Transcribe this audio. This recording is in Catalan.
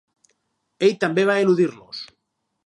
Ell també va eludir-los.